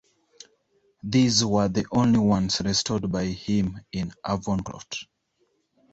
These were the only ones restored by him in Avoncroft.